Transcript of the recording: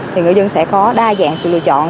thì người dân sẽ có đa dạng sự lựa chọn